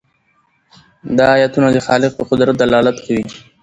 دا آیتونه د خالق په قدرت دلالت کوي.